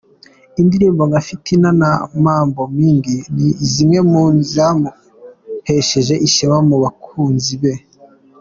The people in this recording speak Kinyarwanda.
Indirimbo nka "Fitina" na "Mambo Mingi", ni zimwe mu zamuhesheje ishema mu bakunzi be.